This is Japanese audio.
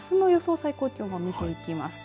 最高気温もみていきますと